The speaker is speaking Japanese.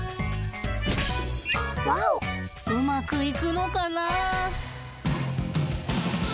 うまくいくのかな？